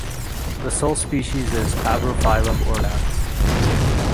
The sole species is Abrophyllum ornans.